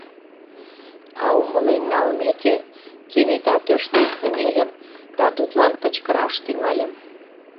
А умылен налмеке, кенета тӧрштен кынельым да тудлан кычкыраш тӱҥальым: